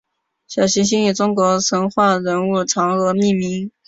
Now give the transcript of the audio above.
小行星以中国神话人物嫦娥命名。